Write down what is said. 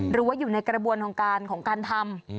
หรือว่าอยู่ในกระบวนของการทำ